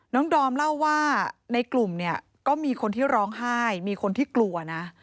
ดอมเล่าว่าในกลุ่มเนี่ยก็มีคนที่ร้องไห้มีคนที่กลัวนะ